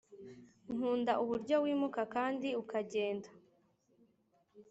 nkunda uburyo wimuka kandi ukagenda